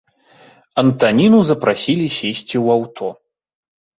Антаніну запрасілі сесці ў аўто.